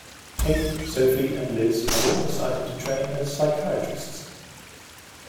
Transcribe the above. Kate, Sophie and Liz have all decided to train as psychiatrists.